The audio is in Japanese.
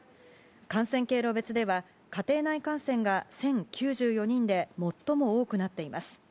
感染経路別では家庭内感染が１０９４人で最も多くなっています。